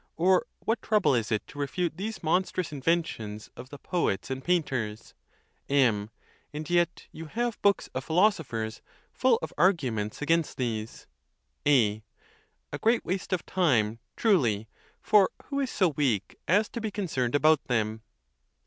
or what trouble is it to refute these monstrous inventions of the poets and painters ?* M. And yet you have books of philosophers full of ar guments against these. A. A great waste of time, truly! for who is so weak as to be concerned about them?